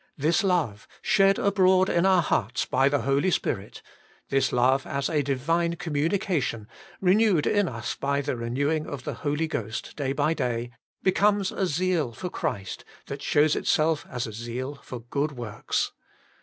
This love, shed abroad 112 Working for God in our hearts by the Holy Spirit, this love as a Divine communication, renewed in us by the renewing of the Holy Ghost day by day, becomes a zeal for Christ that shows itself as a zeal for good works.